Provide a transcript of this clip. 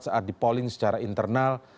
saat dipolling secara internal